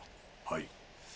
はい。